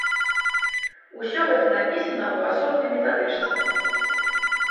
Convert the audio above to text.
Усё гэта напісана ў асобнай метадычцы.